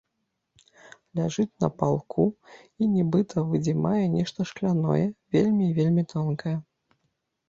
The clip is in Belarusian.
Ляжыць на палку і нібыта выдзімае нешта шкляное, вельмі, вельмі тонкае.